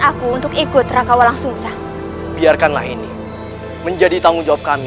aku untuk ikut raka walang sungsang biarkanlah ini menjadi tanggung jawab kami